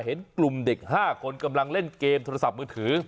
เห็นกลุ่มเด็ก๕คนกำลังเล่นเกมโทรศัพท์มือถือ